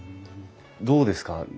どうですか？